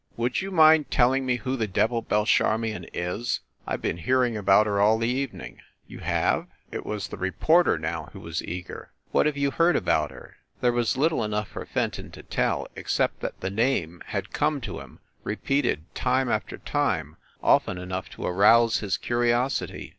"Would you mind telling me who the devil Belle Charmion is? I ve been hearing about her all the evening." "You have?" It was the reporter, now, who was eager. "What have you heard about her?" There was little enough for Fenton to tell, except that the name had come to him, repeated time after time, often enough to arouse his curiosity.